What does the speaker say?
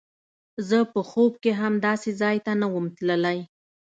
زه په خوب کښې هم داسې ځاى ته نه وم تللى.